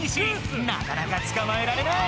なかなかつかまえられない！